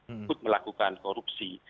untuk melakukan korupsi